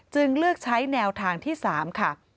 เลือกใช้แนวทางที่๓ค่ะ